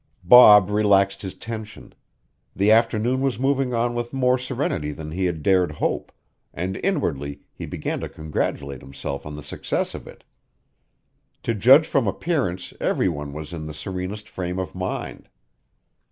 Bob relaxed his tension. The afternoon was moving on with more serenity than he had dared hope, and inwardly he began to congratulate himself on the success of it. To judge from appearance every one was in the serenest frame of mind.